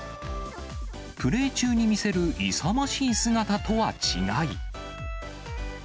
プレー中に見せる勇ましい姿とは違い。